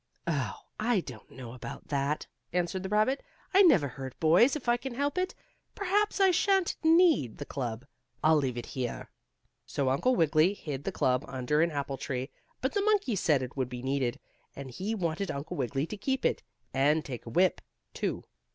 "Oh, I don't know about that," answered the rabbit. "I never hurt boys if I can help it. Perhaps I shan't need the club. I'll leave it here." So Uncle Wiggily hid the club under an apple tree, but the monkey said it would be needed, and he wanted Uncle Wiggily to keep it, and take a whip, too.